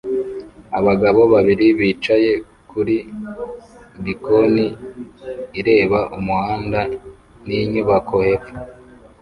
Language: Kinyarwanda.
Abagabo babiri bicaye kuri bkoni ireba umuhanda ninyubako hepfo